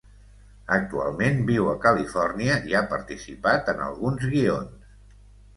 Actualment viu a Califòrnia i ha participat en alguns guions.